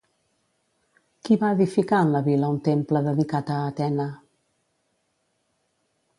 Qui va edificar en la vila un temple dedicat a Atena?